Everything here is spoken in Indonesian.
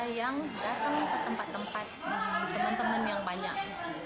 yang datang ke tempat tempat teman teman yang banyak